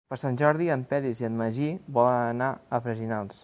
Per Sant Jordi en Peris i en Magí volen anar a Freginals.